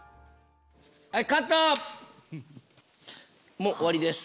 もう終わりです。